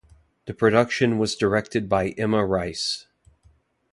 The production was directed by Emma Rice.